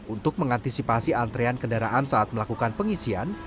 untuk mengantisipasi antrean kendaraan saat melakukan pengisian